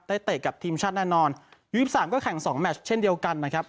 ได้เตะกับทีมชัดแน่นอนยูสิบสามก็แข่งสองแมตรเช่นเดียวกันนะครับ